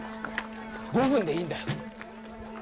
５分でいいんだよ。